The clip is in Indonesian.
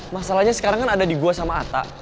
masalahnya sekarang kan ada di gue sama ata